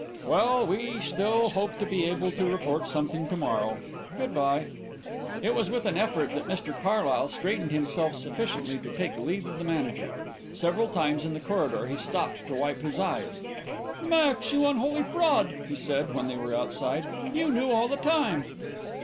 "Well, we still hope to be able to report something to morrow. Good bye." It was with an effort that Mr Carlyle straightened himself sufficiently to take leave of the Manager. Several times in the corridor he stopped to wipe his eyes. "Max, you unholy fraud," he said, when they were outside, "you knew all the time."